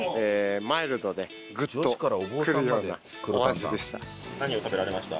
マイルドでグッとくるようなお味でした。